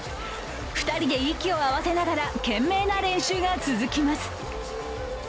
２人で息を合わせながら懸命な練習が続きます。